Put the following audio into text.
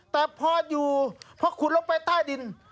แต่พออยู่พอขุดลงไปใต้ดิน